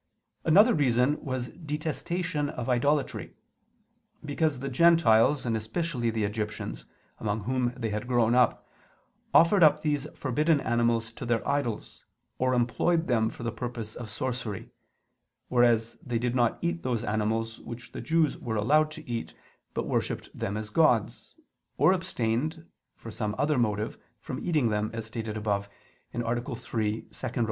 Another reason was detestation of idolatry: because the Gentiles, and especially the Egyptians, among whom they had grown up, offered up these forbidden animals to their idols, or employed them for the purpose of sorcery: whereas they did not eat those animals which the Jews were allowed to eat, but worshipped them as gods, or abstained, for some other motive, from eating them, as stated above (A. 3, ad 2).